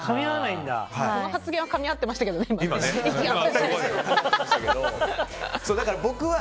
その発言はかみ合ってましたけどね、今のは。